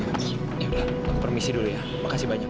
ya udah aku permisi dulu ya makasih banyak